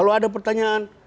kalau ada pertanyaan